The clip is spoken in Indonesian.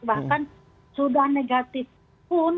bahkan sudah negatif pun